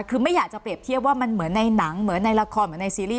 คือไม่อยากจะเปรียบเทียบว่ามันเหมือนในหนังเหมือนในละครเหมือนในซีรีส